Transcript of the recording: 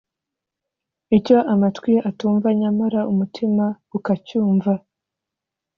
icyo amatwi atumva nyamara umutima ukacyumva